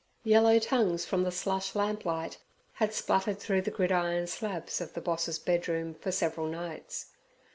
Yellow tongues from the slush lamp light had spluttered through the gridiron slabs of the Boss's bedroom for several nights.